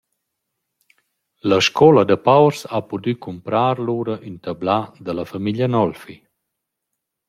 La scoula da paurs ha pudü cumprar lura ün tablà da la famiglia Nolfi.